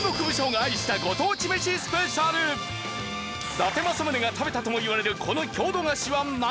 伊達政宗が食べたともいわれるこの郷土菓子は何？